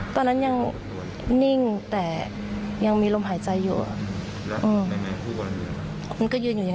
ตอนนั้นยังนิ่งแต่ยังมีลมหายใจอยู่อืมมันก็ยืนอยู่อย่าง